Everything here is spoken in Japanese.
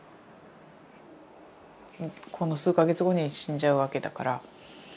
この数か月後に死んじゃうわけだから。